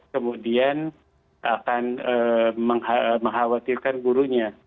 kemudian akan mengkhawatirkan gurunya